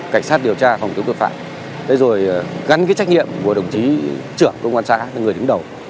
cảnh sát điều tra phòng chống tội phạm gắn trách nhiệm của đồng chí trưởng công an xã người đứng đầu